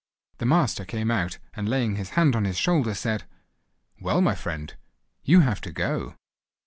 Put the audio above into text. The master came out, and laying his hand on his shoulder, said: "Well, my friend, you have to go!"